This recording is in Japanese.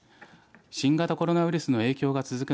新型コロナウイルスの影響が続く